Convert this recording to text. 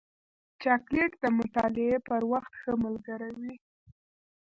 چاکلېټ د مطالعې پر وخت ښه ملګری وي.